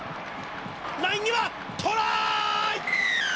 ライン際、トライ！